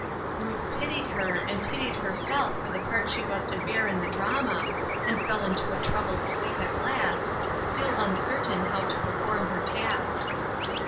Ruth pitied her, and pitied herself for the part she was to bear in the drama, and fell into a troubled sleep at last, still uncertain how to per form her task.